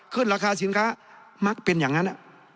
ขึ้นราคาสินค้ามักเป็นอย่างนั้น